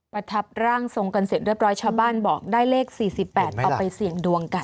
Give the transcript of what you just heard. ประทับร่างทรงกันเสร็จเรียบร้อยชาวบ้านบอกได้เลข๔๘เอาไปเสี่ยงดวงกัน